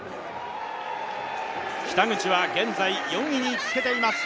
北口は現在４位につけています。